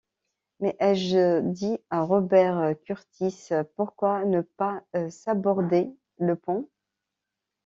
Mais, ai-je dit à Robert Kurtis, pourquoi ne pas saborder le pont?